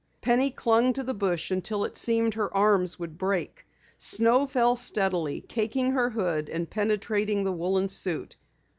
Penny clung to the bush until it seemed her arms would break. Snow fell steadily, caking her hood and penetrating the woolen suit.